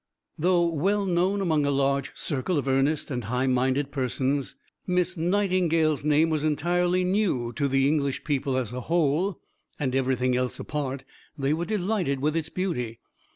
Though well known among a large circle of earnest and high minded persons, Miss Nightingale's name was entirely new to the English people as a whole, and everything else apart they were delighted with its beauty.